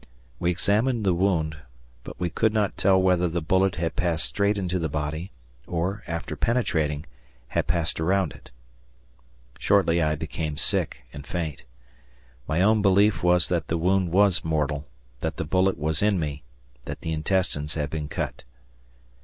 We examined the wound, but we could not tell whether the bullet had passed straight into the body, or, after penetrating, had passed around it. Shortly I became sick and faint. My own belief was that the wound was mortal; that the bullet was in me; that the intestines had been cut. Mrs.